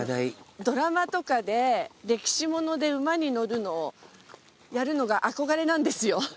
ドラマとかで歴史物で馬に乗るのやるのが憧れなんですよ。